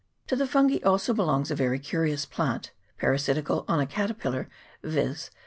To the fungi also belongs a very curious plant, parasitical on a caterpillar, viz.